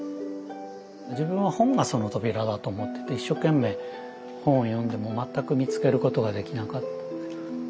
自分は本がその扉だと思ってて一生懸命本を読んでも全く見つけることができなかった。